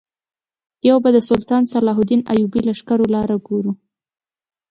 یو به د سلطان صلاح الدین ایوبي لښکرو لاره ګورو.